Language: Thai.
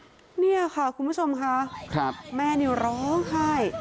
พ่อแม่มาเห็นสภาพศพของลูกร้องไห้กันครับขาดใจ